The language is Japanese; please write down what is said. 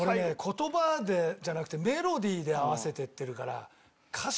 言葉じゃなくてメロディーで合わせていってるから。